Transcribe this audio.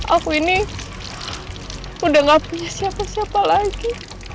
aku ini udah gak punya siapa siapa lagi